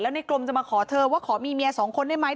ในกรมจะมาขอเธอว่าขอมีเมียสองคนได้ไหม